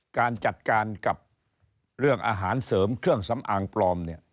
การจัดการกับเรื่องอาหารเสริมเครื่องสำอางปลอมเนี่ย